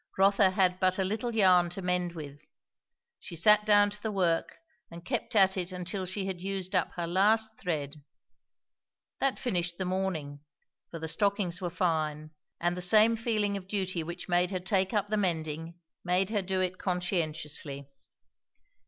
Rotha had but a little yarn to mend with; she sat down to the work and kept at it until she had used up her last thread. That finished the morning, for the stockings were fine, and the same feeling of duty which made her take up the mending made her do it conscientiously.